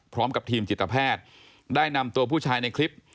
พร้อมกับทีมจิตแพทย์ได้นำตัวผู้ชายในคลิป